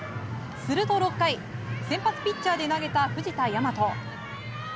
すると６回、先発ピッチャーで投げた藤田倭。